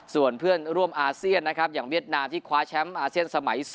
ส่วนเพื่อนร่วมอาเซียนนะครับอย่างเวียดนามที่คว้าแชมป์อาเซียนสมัย๒